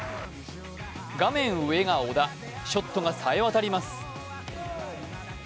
画面上が小田、ショットがさえ渡ります。